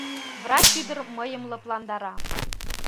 Врач ӱдыр мыйым лыпландара.